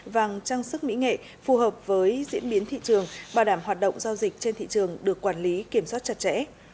vàng trang sức mỹ nghệ phù hợp với diễn biến thị trường bảo đảm hoạt động giao dịch trên thị trường được quản lý kiểm soát chặt chẽ